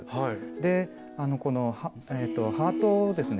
でこのハートをですね